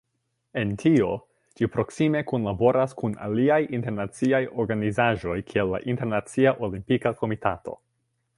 En tio ĝi proksime kunlaboras kun aliaj internaciaj organizaĵoj kiel la Internacia Olimpika Komitato.